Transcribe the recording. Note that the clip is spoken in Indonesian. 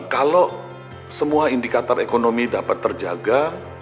kalau semua indikator ekonomi dapat terjaga